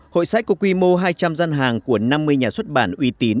hội sách có quy mô hai trăm linh gian hàng của năm mươi nhà xuất bản uy tín